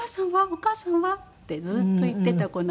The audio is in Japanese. お母さんは？ってずっと言ってた子なので。